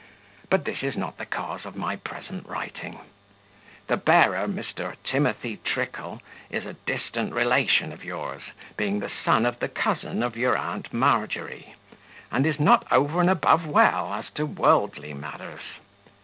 But this is not the cause of my present writing. The bearer, Mr. Timothy Trickle, is a distant relation of yours, being the son of the cousin of your aunt Margery, and is not over and above well as to worldly matters.